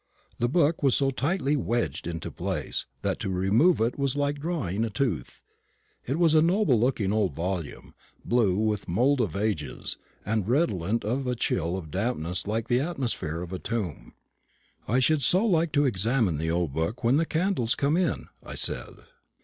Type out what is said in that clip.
The book was so tightly wedged into its place, that to remove it was like drawing a tooth. It was a noble looking old volume, blue with the mould of ages, and redolent of a chill dampness like the atmosphere of a tomb. "I should so like to examine the old book when the candles come in," I said.